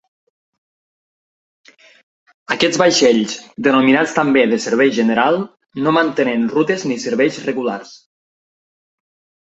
Aquests vaixells, denominats també de servei general, no mantenen rutes ni serveis regulars.